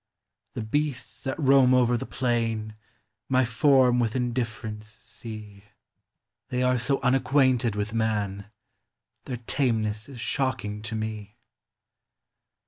The beasts that roam over the plain My form with indifferent 312 POEMS OF SENTIMENT. They are so 'unacquainted with man, Their tameness is shocking to me.